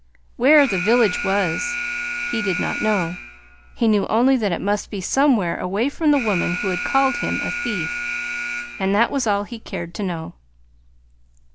Where "the village" was, he did not know; he knew only that it must be somewhere away from the woman who had called him a thief. And that was all he cared to know.